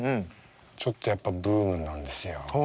ちょっとやっぱブームなんですよ。